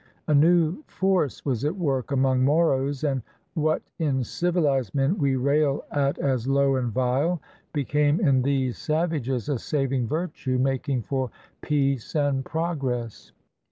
A new force was at work among Moros, and what, in civilized men, we rail at as low and vile, became in these savages a saving virtue, making for peace and prog ress.